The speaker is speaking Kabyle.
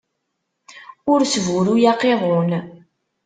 Ur sburuy aqiḍun.